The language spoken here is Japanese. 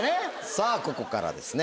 さぁここからですね。